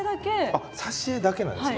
あっ挿絵だけなんですか？